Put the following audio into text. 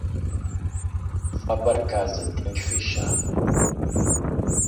Vá para casa, tenho que fechar.